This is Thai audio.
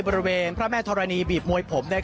บริเวณพระแม่ธรณีบีบมวยผม